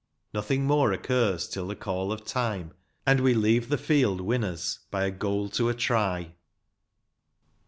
Nothing more occurs till the call of time, and we leave the field winners by a goal to a try.